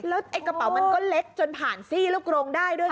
แล้วไอ้กระเป๋ามันก็เล็กจนผ่านซี่ลูกกรงได้ด้วยค่ะ